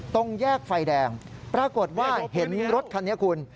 ตรงแยกไฟแดงปรากฏว่าเห็นรถคันนี้คุณ